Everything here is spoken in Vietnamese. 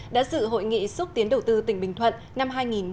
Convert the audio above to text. đã dự hội nghị xúc tiến đầu tư tỉnh bình thuận năm hai nghìn một mươi chín